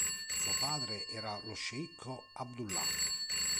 Suo padre era lo sceicco Abdullah.